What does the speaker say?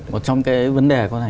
một trong cái vấn đề có thể